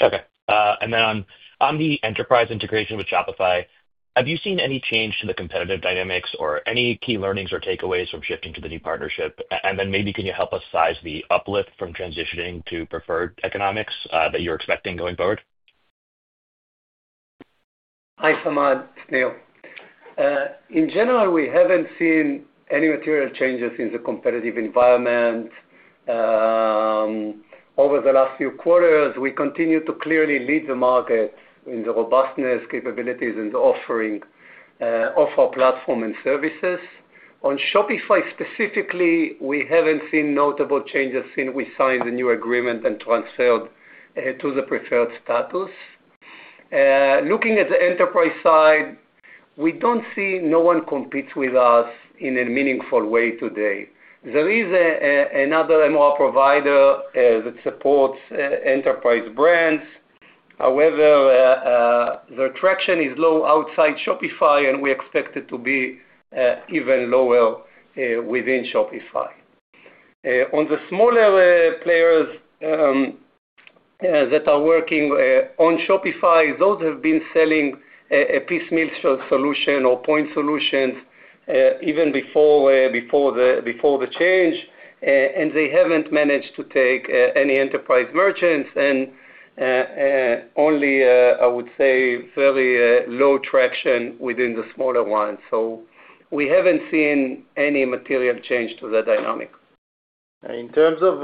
Okay. On the enterprise integration with Shopify, have you seen any change to the competitive dynamics or any key learnings or takeaways from shifting to the new partnership? Maybe can you help us size the uplift from transitioning to preferred economics that you're expecting going forward? Hi, Samad. Neil. In general, we haven't seen any material changes in the competitive environment over the last few quarters. We continue to clearly lead the market in the robustness, capabilities, and the offering of our platform and services. On Shopify specifically, we haven't seen notable changes since we signed the new agreement and transferred to the preferred status. Looking at the enterprise side, we don't see no one competes with us in a meaningful way today. There is another MR provider that supports enterprise brands. However, the traction is low outside Shopify, and we expect it to be even lower within Shopify. On the smaller players that are working on Shopify, those have been selling a piecemeal solution or point solutions even before the change. They have not managed to take any enterprise merchants and only, I would say, fairly low traction within the smaller ones. We have not seen any material change to the dynamic. In terms of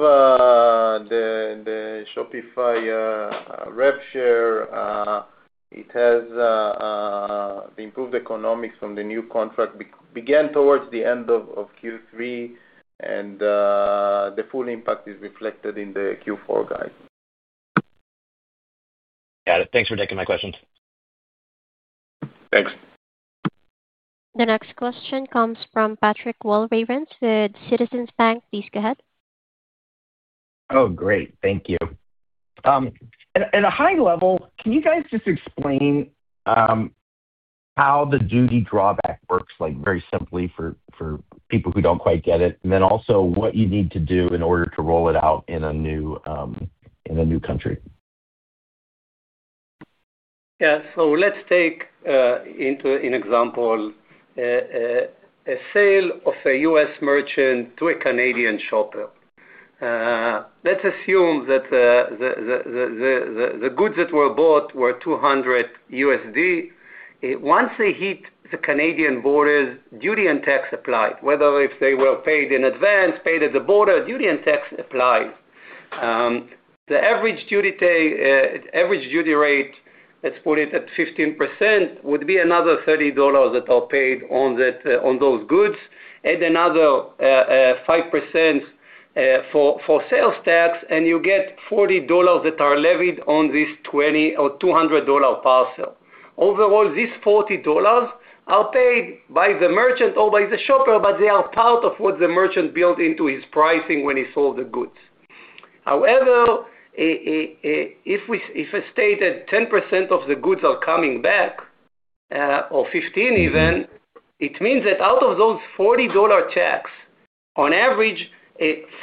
the Shopify rev share, it has improved economics from the new contract that began towards the end of Q3, and the full impact is reflected in the Q4 guide. Got it. Thanks for taking my questions. Thanks. The next question comes from Patrick Wolfsen with Citizens Bank. Please go ahead. Oh, great. Thank you. At a high level, can you guys just explain how the duty drawback works very simply for people who do not quite get it? And then also what you need to do in order to roll it out in a new country? Yeah. Let's take an example: a sale of a U.S. merchant to a Canadian shopper. Let's assume that the goods that were bought were $200. Once they hit the Canadian borders, duty and tax applied, whether if they were paid in advance, paid at the border, duty and tax applied. The average duty rate, let's put it at 15%, would be another $30 that are paid on those goods and another 5% for sales tax, and you get $40 that are levied on this $200 parcel. Overall, these $40 are paid by the merchant or by the shopper, but they are part of what the merchant built into his pricing when he sold the goods. However, if a state had 10% of the goods are coming back or 15 even, it means that out of those $40 tax, on average,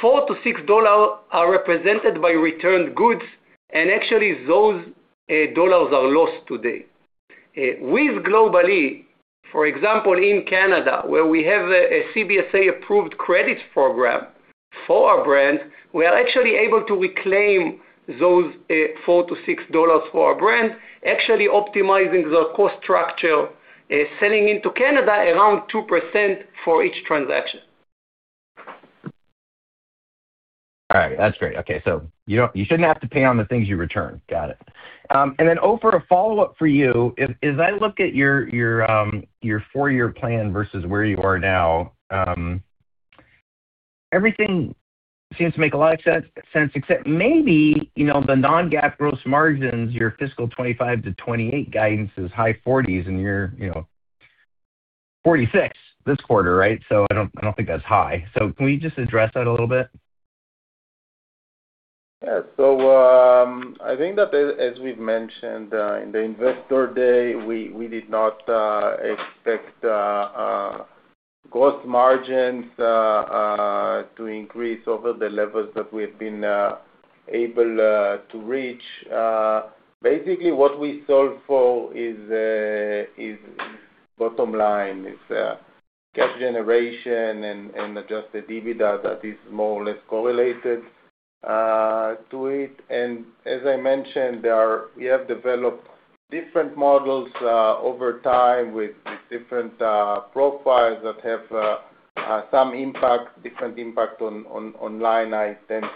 4-6 dollars are represented by returned goods, and actually those dollars are lost today. With Global-e, for example, in Canada, where we have a CBSA-approved credit program for our brands, we are actually able to reclaim those $4-$6 for our brand, actually optimizing the cost structure, selling into Canada around 2% for each transaction. All right. That's great. Okay. You shouldn't have to pay on the things you return. Got it. Over a follow-up for you, as I look at your four-year plan versus where you are now, everything seems to make a lot of sense, except maybe the non-GAAP gross margins, your fiscal 2025 to 2028 guidance is high 40s, and you're 46% this quarter, right? I don't think that's high. Can we just address that a little bit? Yeah. I think that, as we've mentioned in the investor day, we did not expect gross margins to increase over the levels that we've been able to reach. Basically, what we sold for is bottom line. It's cash generation and adjusted EBITDA that is more or less correlated to it. As I mentioned, we have developed different models over time with different profiles that have some impact, different impact on line items.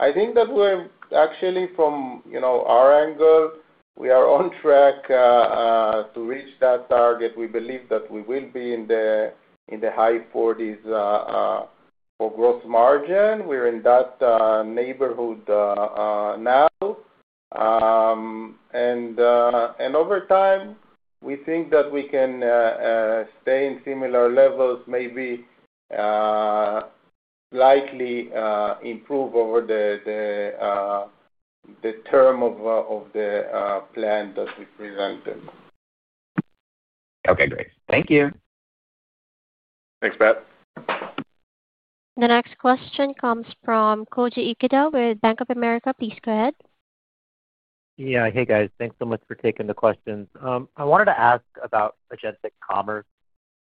I think that we're actually, from our angle, we are on track to reach that target. We believe that we will be in the high 40% for gross margin. We're in that neighborhood now. Over time, we think that we can stay in similar levels, maybe slightly improve over the term of the plan that we presented. Okay. Great. Thank you. Thanks, Pat. The next question comes from Koji Ikeda with Bank of America. Please go ahead. Yeah. Hey, guys. Thanks so much for taking the questions. I wanted to ask about Agentic Commerce.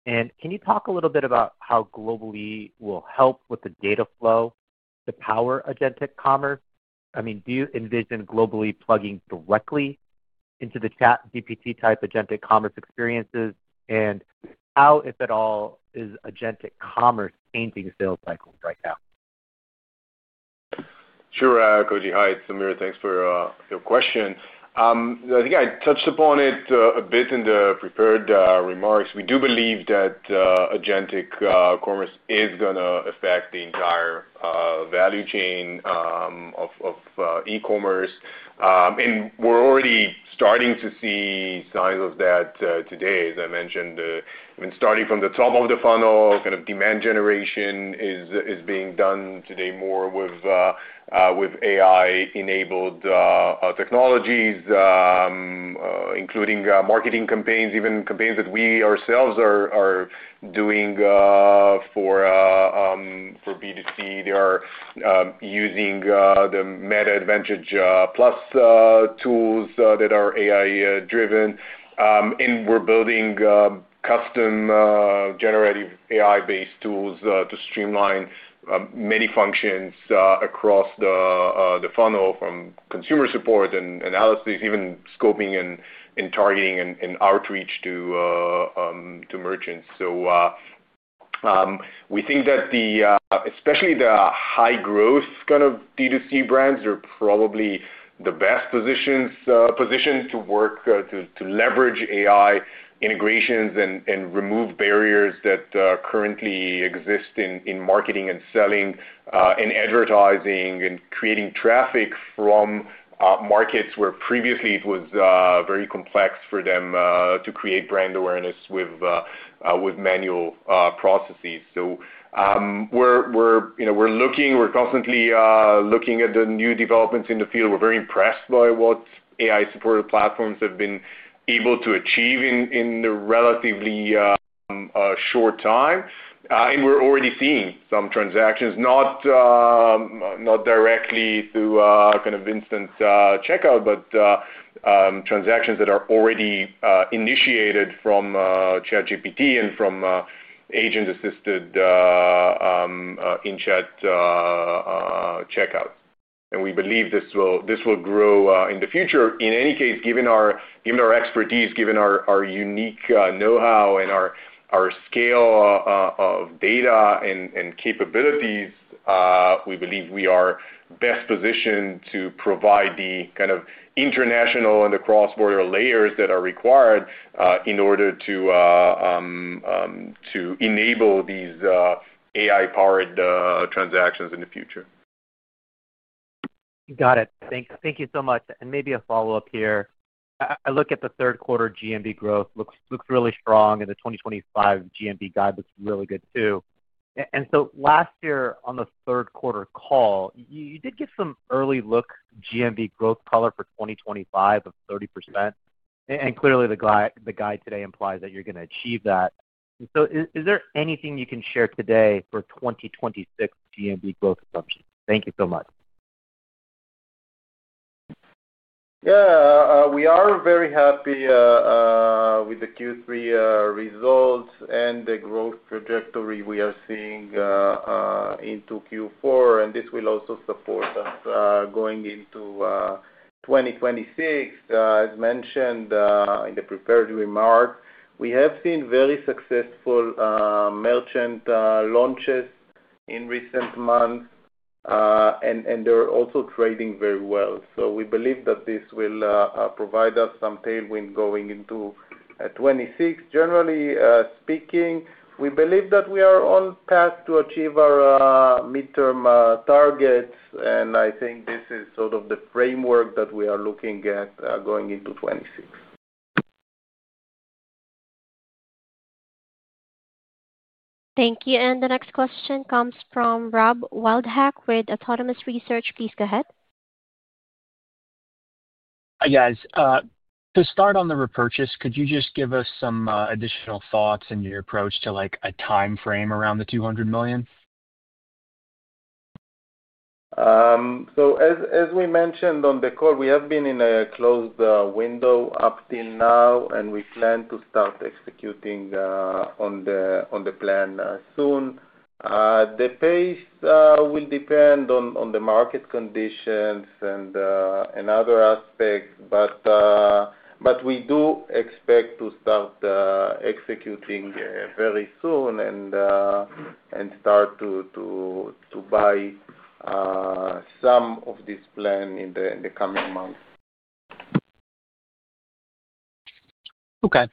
And can you talk a little bit about how Global-e will help with the data flow to power Agentic Commerce? I mean, do you envision Global-e plugging directly into the ChatGPT-type Agentic Commerce experiences? And how, if at all, is Agentic Commerce changing sales cycles right now? Sure. Koji, hi. It's Amir. Thanks for your question. I think I touched upon it a bit in the prepared remarks. We do believe that Agentic Commerce is going to affect the entire value chain of e-commerce. And we're already starting to see signs of that today, as I mentioned. I mean, starting from the top of the funnel, kind of demand generation is being done today more with AI-enabled technologies, including marketing campaigns, even campaigns that we ourselves are doing for B2C. They are using the Meta Advantage Plus tools that are AI-driven. We are building custom generative AI-based tools to streamline many functions across the funnel from consumer support and analysis, even scoping and targeting and outreach to merchants. We think that especially the high-growth kind of D2C brands are probably the best position to work to leverage AI integrations and remove barriers that currently exist in marketing and selling and advertising and creating traffic from markets where previously it was very complex for them to create brand awareness with manual processes. We are looking at the new developments in the field. We are very impressed by what AI-supported platforms have been able to achieve in the relatively short time. We are already seeing some transactions, not directly through kind of instant checkout, but transactions that are already initiated from ChatGPT and from agent-assisted in-chat checkout. We believe this will grow in the future. In any case, given our expertise, given our unique know-how, and our scale of data and capabilities, we believe we are best positioned to provide the kind of international and the cross-border layers that are required in order to enable these AI-powered transactions in the future. Got it. Thank you so much. Maybe a follow-up here. I look at the third-quarter GMV growth. It looks really strong. The 2025 GMV guide looks really good too. Last year on the third-quarter call, you did give some early look GMV growth color for 2025 of 30%. Clearly, the guide today implies that you're going to achieve that. Is there anything you can share today for 2026 GMV growth assumptions? Thank you so much. . Yeah. We are very happy with the Q3 results and the growth trajectory we are seeing into Q4. This will also support us going into 2026. As mentioned in the prepared remark, we have seen very successful merchant launches in recent months, and they're also trading very well. We believe that this will provide us some tailwind going into 2026. Generally speaking, we believe that we are on path to achieve our midterm targets. I think this is sort of the framework that we are looking at going into 2026. Thank you. The next question comes from Rob Wildhack with Autonomous Research. Please go ahead. Hi, guys. To start on the repurchase, could you just give us some additional thoughts and your approach to a time frame around the $200 million? As we mentioned on the call, we have been in a closed window up till now, and we plan to start executing on the plan soon. The pace will depend on the market conditions and other aspects, but we do expect to start executing very soon and start to buy some of this plan in the coming months. Okay.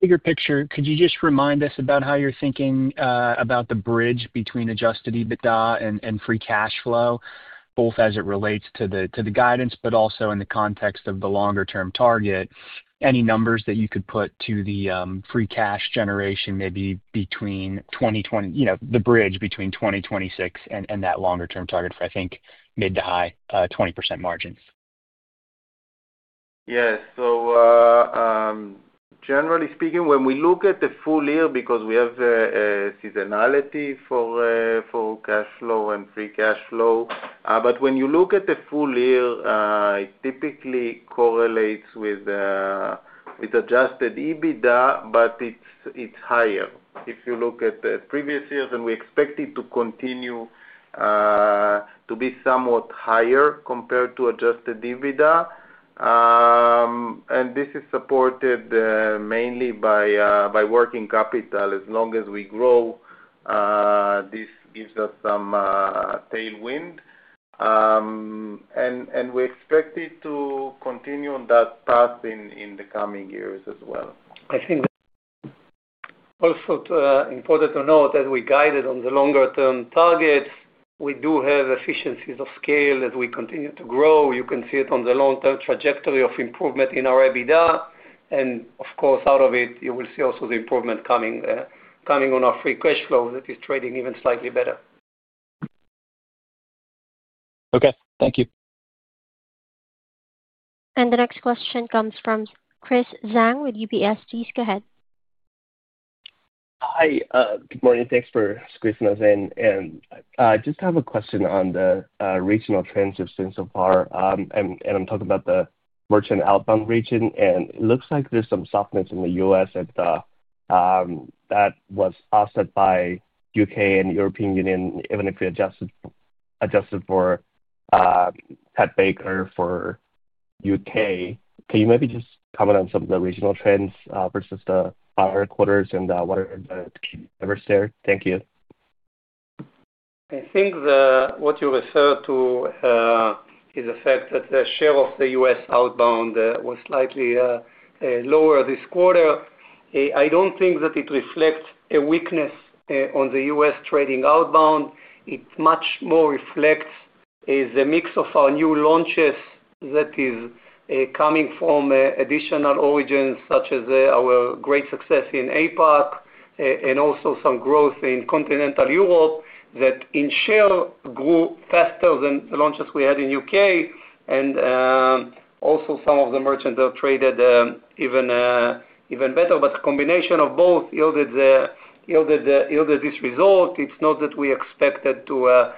Bigger picture, could you just remind us about how you're thinking about the bridge between adjusted EBITDA and free cash flow, both as it relates to the guidance, but also in the context of the longer-term target? Any numbers that you could put to the free cash generation maybe between 2020, the bridge between 2026 and that longer-term target for, I think, mid to high 20% margins? Yes. Generally speaking, when we look at the full year, because we have seasonality for cash flow and free cash flow, when you look at the full year, it typically correlates with adjusted EBITDA, but it is higher. If you look at previous years, we expect it to continue to be somewhat higher compared to adjusted EBITDA. This is supported mainly by working capital. As long as we grow, this gives us some tailwind. We expect it to continue on that path in the coming years as well. I think also important to note that we guided on the longer-term targets. We do have efficiencies of scale as we continue to grow. You can see it on the long-term trajectory of improvement in our EBITDA. Of course, out of it, you will see also the improvement coming on our free cash flow that is trading even slightly better. Okay. Thank you. The next question comes from Chris Zhang with UBS. Please go ahead. Hi. Good morning. Thanks for squeezing us in. I just have a question on the regional trends we've seen so far. I'm talking about the merchant outbound region. It looks like there's some softness in the U.S. that was offset by U.K. and European Union, even if we adjusted for Pat Baker for U.K. Can you maybe just comment on some of the regional trends versus the prior quarters and what are the numbers there? Thank you. I think what you refer to is the fact that the share of the U.S. outbound was slightly lower this quarter. I don't think that it reflects a weakness on the U.S. trading outbound. It much more reflects the mix of our new launches that is coming from additional origins such as our great success in APAC and also some growth in continental Europe that in share grew faster than the launches we had in the U.K. Also, some of the merchants that traded even better. A combination of both yielded this result. It's not that we expected to,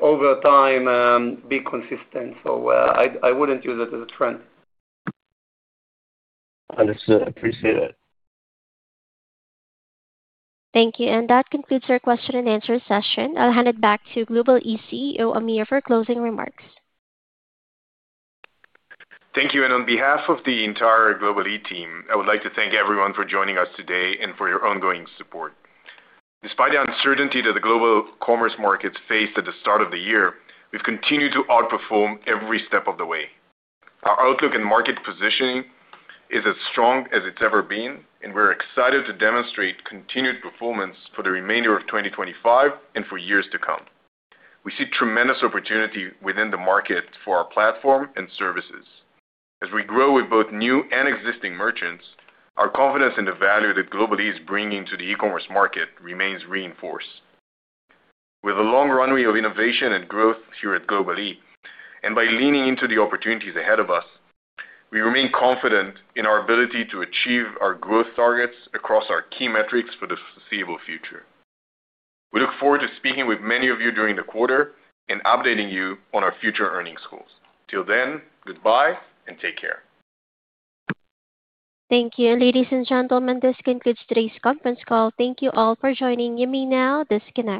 over time, be consistent. I wouldn't use it as a trend. Understood. Appreciate it. Thank you. That concludes our question-and-answer session. I'll hand it back to Global-e CEO Amir for closing remarks. Thank you. On behalf of the entire Global-e team, I would like to thank everyone for joining us today and for your ongoing support. Despite the uncertainty that the global commerce markets faced at the start of the year, we've continued to outperform every step of the way. Our outlook and market positioning is as strong as it's ever been, and we're excited to demonstrate continued performance for the remainder of 2025 and for years to come. We see tremendous opportunity within the market for our platform and services. As we grow with both new and existing merchants, our confidence in the value that Global-e is bringing to the e-commerce market remains reinforced. With a long runway of innovation and growth here at Global-e, and by leaning into the opportunities ahead of us, we remain confident in our ability to achieve our growth targets across our key metrics for the foreseeable future. We look forward to speaking with many of you during the quarter and updating you on our future earnings goals. Until then, goodbye and take care. Thank you. Ladies and gentlemen, this concludes today's conference call. Thank you all for joining. You may now disconnect.